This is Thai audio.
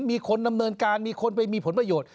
มีคนดำเนินการมีคนไปมีผลประโยชน์